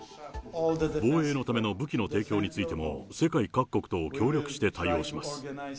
防衛のための武器の提供についても、世界各国と協力して対応します。